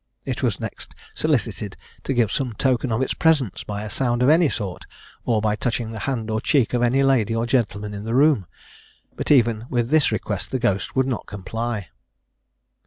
It was next solicited to give some token of its presence by a sound of any sort, or by touching the hand or cheek of any lady or gentleman in the room; but even with this request the ghost would not comply.